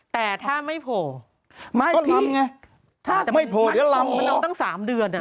แต่ถ้าไม่โผล่ก็ลำไงไม่โผล่เดี๋ยวลำมันเอาตั้ง๓เดือนอ่ะ